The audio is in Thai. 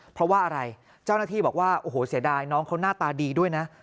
เพราะว่าอะไรเจ้าหน้าที่บอกว่าโอ้โหเสียดายน้องเขาหน้าตาดีด้วยนะ